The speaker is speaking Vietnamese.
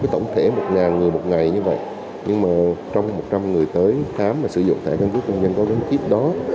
trong tổng thể một người một ngày như vậy nhưng trong một trăm linh người tới khám sử dụng thẻ căn cước công dân có vấn kiếp đó